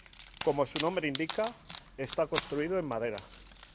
Como su nombre indica está construido en madera.